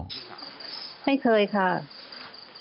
ไม่เคยค่ะ